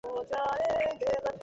ঐ সময় আমি জোয়ান দানব শিকারি ছিলাম।